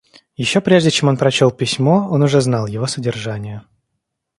Еще прежде чем он прочел письмо, он уже знал его содержание.